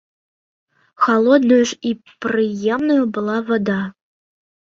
Халоднаю ж і прыемнаю была вада.